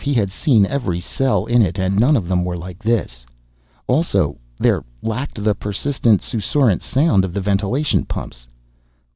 He had seen every cell in it and none of them were like this. Also, there lacked the persistent susurrant sound of the ventilation pumps.